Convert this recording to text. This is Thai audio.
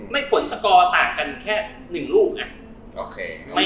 ไม่ผลสกอร์ต่างกันแค่๑ลูกอ่ะ